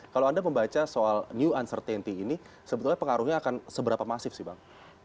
kalau anda membaca soal new uncertainty ini sebetulnya pengaruhnya akan seberapa masif sih bang